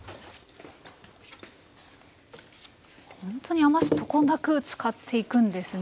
ほんとに余すとこなく使っていくんですね。